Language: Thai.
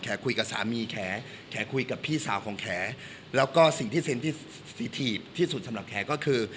คุยกับสามีแขคุยกับพี่สาวของแขแล้วก็สิ่งที่เซ็นที่สีถีบที่สุดสำหรับแขก็คือ